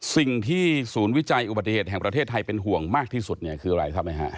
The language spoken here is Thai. สิ่งที่ศูนย์วิจัยอุบัติเหตุแห่งประเทศไทยเป็นห่วงมากที่สุดเนี่ย